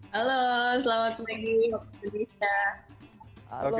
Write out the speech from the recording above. halo selamat pagi waktu indonesia